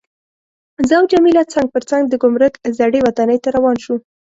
زه او جميله څنګ پر څنګ د ګمرک زړې ودانۍ ته روان شوو.